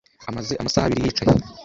Amaze amasaha abiri yicaye.